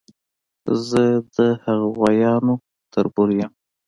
زه د هغو غوایانو تربور یم.